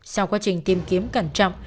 sau quá trình tìm kiếm cẩn trọng